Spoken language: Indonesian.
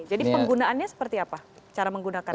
jadi penggunaannya seperti apa cara menggunakan